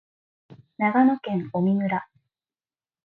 長野県麻績村